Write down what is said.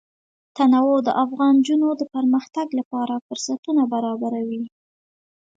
تنوع د افغان نجونو د پرمختګ لپاره فرصتونه برابروي.